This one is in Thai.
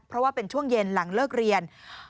เพราะว่าเป็นช่วงเย็นหลังเลิกเรียน